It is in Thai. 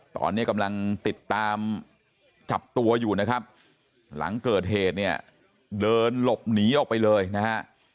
ตอนนี้กำลังติดตามจับตัวอยู่นะครับหลังเกิดเหตุเนี่ยเดินหลบหนีออกไปเลยนะฮะ